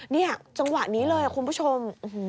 จังหวะนี้เลยคุณผู้ชม